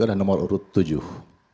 adalah nomor urut tujuh